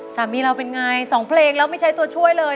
สามีเราเป็นไง๒เพลงแล้วไม่ใช้ตัวช่วยเลย